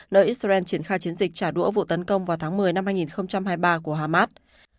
nơi israel triển khai chiến dịch trả đũa vụ tấn công vào tháng một mươi năm hai nghìn hai mươi ba của hamas